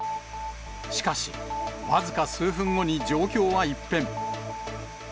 しかし、僅か数分後に状況は一変。